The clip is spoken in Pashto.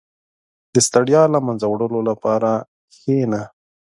• د ستړیا له منځه وړلو لپاره کښېنه.